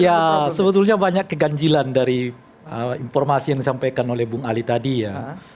ya sebetulnya banyak keganjilan dari informasi yang disampaikan oleh bung ali tadi ya